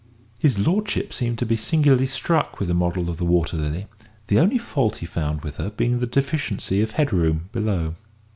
Lord seemed to be singularly struck with the model of the Water Lily; the only fault he found with her being the deficiency of head room below.